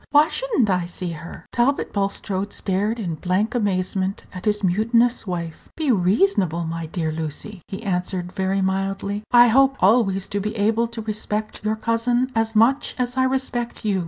Why should n't I see her?" Talbot Bulstrode stared in blank amazement at his mutinous wife. "Be reasonable, my dear Lucy," he answered very mildly; "I hope always to be able to respect your cousin as much as I respect you.